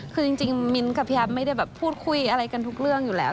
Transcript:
คือจริงมิ้นท์กับพี่แอฟไม่ได้แบบพูดคุยอะไรกันทุกเรื่องอยู่แล้ว